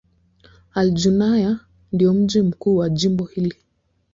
Al-Junaynah ndio mji mkuu wa jimbo hili.